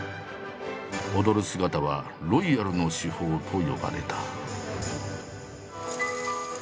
踊る姿は「ロイヤルの至宝」と呼ばれた。